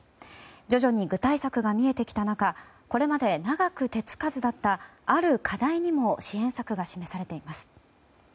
徐々に具体策が見えてきた中これまで長く手付かずだったある課題にも支援策が示されています。